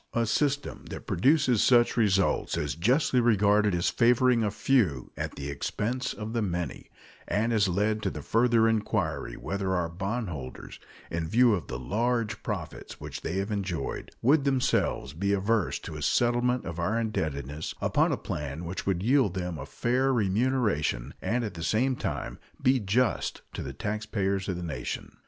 A system that produces such results is justly regarded as favoring a few at the expense of the many, and has led to the further inquiry whether our bondholders, in view of the large profits which they have enjoyed, would themselves be averse to a settlement of our indebtedness upon a plan which would yield them a fair remuneration and at the same time be just to the taxpayers of the nation.